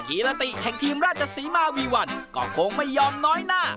ีราติแห่งทีมราชศรีมาวีวันก็คงไม่ยอมน้อยหน้า